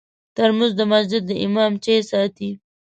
ترموز د مسجد د امام چای ساتي.